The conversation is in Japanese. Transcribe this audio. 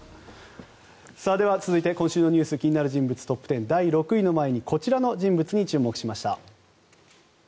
続いては今週の気になる人物トップ１０第６位の前にこちらの人物に注目しました。